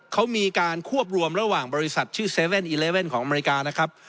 เขามีการควบรวมระหว่างบริษัทชื่อ๗๑๑ของอเมริกานะครับ